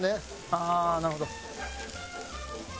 ああーなるほど。